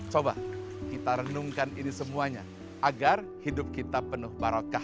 coba kita renungkan ini semuanya agar hidup kita penuh barokah